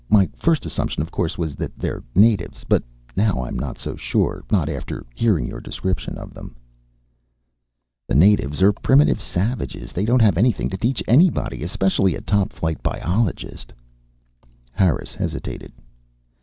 My first assumption, of course, was that they're the natives. But now I'm not so sure, not after hearing your description of them." "The natives are primitive savages. They don't have anything to teach anybody, especially a top flight biologist." Harris hesitated.